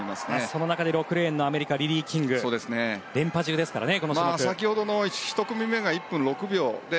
その中で６レーンのアメリカ、リリー・キング連覇中ですからね